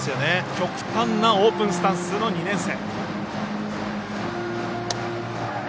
極端なオープンスタンスの２年生。